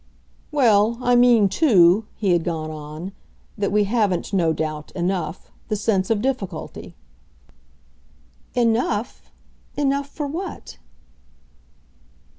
"Well, I mean too," he had gone on, "that we haven't, no doubt, enough, the sense of difficulty." "Enough? Enough for what?"